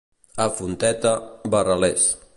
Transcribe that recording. A Fonteta, barralers.